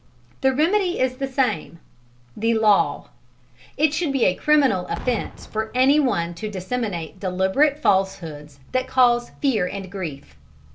The remedy is the same the law: it should be a criminal offence for anyone to disseminate deliberate falsehoods that cause fear and grief.